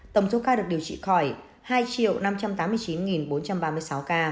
tổng số ca được điều trị khỏi hai năm trăm tám mươi chín bốn trăm bốn mươi bảy